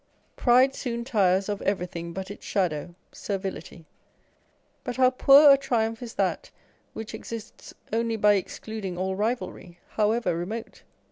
Pride soon tires of everything but its shadow, servility : but how poor a triumph is that which exists only by excluding all rivalry, however remote.